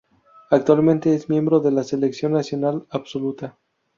Actualmente es miembro de la Selección Nacional Absoluta.